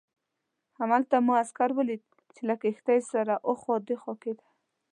همالته مو عسکر ولید چې له کښتۍ سره اخوا دیخوا کېده.